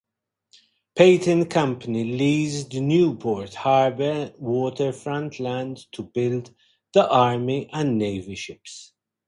Peyton Company leased Newport Harbor waterfront land to build the Navy and Army ships.